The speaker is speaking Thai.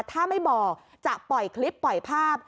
ถ้าไม่บอกจะปล่อยคลิปปล่อยภาพ